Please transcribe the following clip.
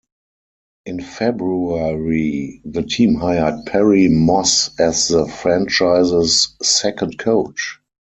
In February, the team hired Perry Moss as the franchise's second coach.